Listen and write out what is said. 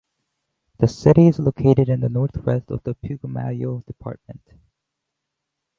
The city is located in the northwest of the Putumayo department.